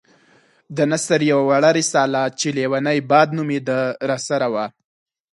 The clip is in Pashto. د نثر يوه وړه رساله چې ليونی باد نومېده راسره وه.